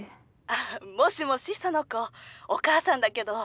あっもしもし苑子お母さんだけど。